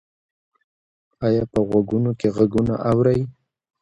ایا په غوږونو کې غږونه اورئ؟